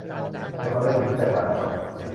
ฉันขอในสิ่งที่แตกต่างออกไป